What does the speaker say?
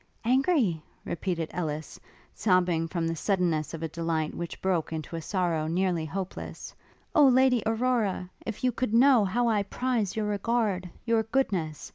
'Angry?' repeated Ellis, sobbing from the suddenness of a delight which broke into a sorrow nearly hopeless; 'O Lady Aurora! if you could know how I prize your regard! your goodness!